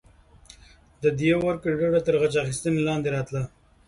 د دیه ورکړې ډله تر غچ اخیستنې لاندې راتله.